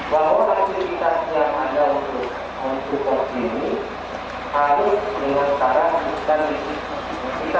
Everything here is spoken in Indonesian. harus dengan sekarang kita tetap jawab